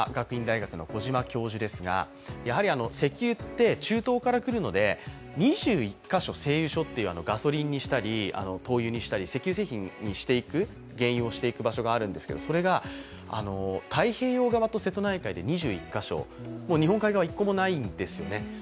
石油って中東から来るので２１か所製油所ってガソリンにしたり灯油にしたり、石油製品に原油をしていく場所があるんですけど、それが太平洋側と瀬戸内海で２１か所、日本海側、１個もないんですよね。